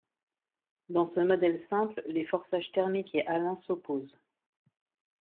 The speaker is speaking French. Dans ce modèle simple, les forçages thermique et halin s'opposent.